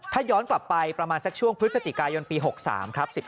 ถ้าย้อนกลับไปประมาณสักช่วงพฤศจิกายนปี๖๓ครับ